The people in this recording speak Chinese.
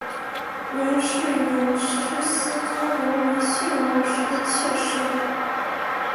袁氏原是思宗仍为信王时的妾室。